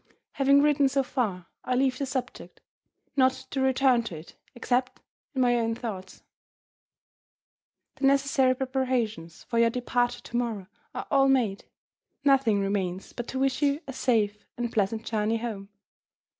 "Having written so far, I leave the subject not to return to it, except in my own thoughts. "The necessary preparations for your departure to morrow are all made. Nothing remains but to wish you a safe and pleasant journey home.